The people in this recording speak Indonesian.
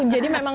oh jadi memang